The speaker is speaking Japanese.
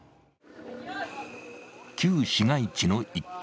旧市街地の一画。